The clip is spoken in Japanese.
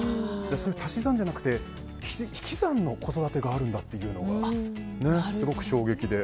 足し算じゃなくて引き算の子育てがあるんだっていうのがすごく衝撃で。